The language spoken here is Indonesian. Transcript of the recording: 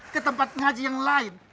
ke tempat ngaji yang lain